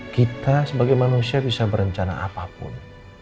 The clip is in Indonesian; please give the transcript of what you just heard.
kita sebagai manusia bisa berencana apapun